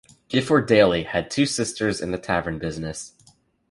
Gifford Dalley had two sisters in the Tavern business.